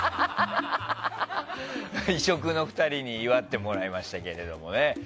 異色の２人に祝ってもらいましたけどね。